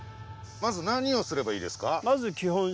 まず何をすればいいですか？